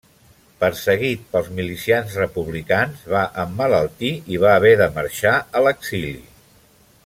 Perseguit pels milicians republicans, va emmalaltir i va haver de marxar a l'exili.